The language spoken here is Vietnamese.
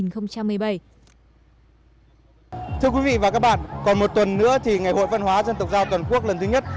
thưa quý vị và các bạn còn một tuần nữa thì ngày hội văn hóa dân tộc giao toàn quốc lần thứ nhất